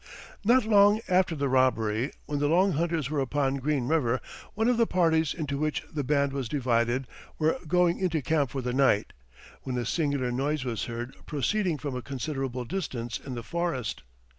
Not long after the robbery, when the Long Hunters were upon Green River, one of the parties into which the band was divided were going into camp for the night, when a singular noise was heard proceeding from a considerable distance in the forest.